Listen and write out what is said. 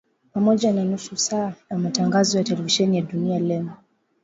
pamoja na nusu saa ya matangazo ya televisheni ya Duniani Leo